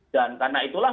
dan karena itulah